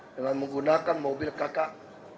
dengan menggunakan mobil kakak